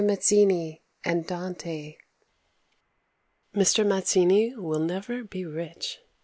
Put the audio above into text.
Mazzini and Dante Mr. Mazzini will never be rich.